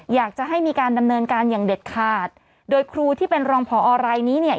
อยากจะให้มีการดำเนินการอย่างเด็ดขาดโดยครูที่เป็นรองพอรายนี้เนี่ย